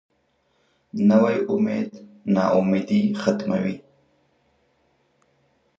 نوی امید نا امیدي ختموي